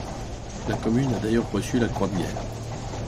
La commune a d'ailleurs reçu la croix de guerre.